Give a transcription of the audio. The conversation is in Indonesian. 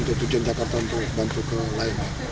untuk tujuan jakarta untuk bantu ke lain